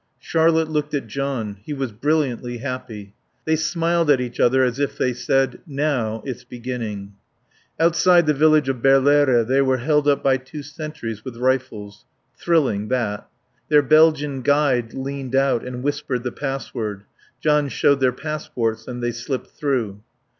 Charlotte looked at John; he was brilliantly happy. They smiled at each other as if they said "Now it's beginning." Outside the village of Berlaere they were held up by two sentries with rifles. (Thrilling, that.) Their Belgian guide leaned out and whispered the password; John showed their passports and they slipped through.